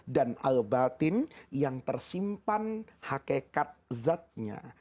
dan al batin yang tersimpan hakikat zatnya